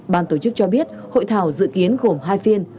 ban tổ chức cho biết hội thảo dự kiến gồm hai phiên